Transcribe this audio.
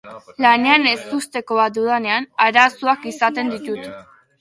Lanean ezusteko bat dudanean, arazoak izaten ditut.